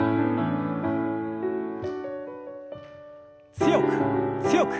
強く強く。